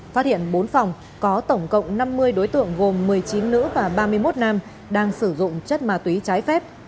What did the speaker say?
phát hiện bốn phòng có tổng cộng năm mươi đối tượng gồm một mươi chín nữ và ba mươi một nam đang sử dụng chất ma túy trái phép